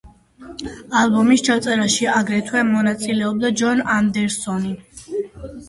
ალბომის ჩაწერაში აგრეთვე მონაწილეობდა ჯონ ანდერსონი.